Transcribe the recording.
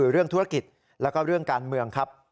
ยังไม่มีการสอบสวนถึงประเด็นนี้นะครับ